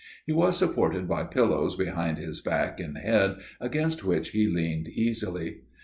He was supported by pillows behind his back and head, against which he leaned easily.